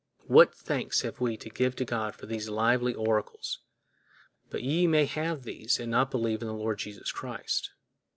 What thanks have we to give to God for these lively oracles! But yet we may have these and not believe in the Lord Jesus Christ.